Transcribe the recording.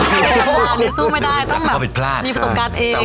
มีประสบการณ์ไม่สู้ไม่ได้มีประสบการณ์เอง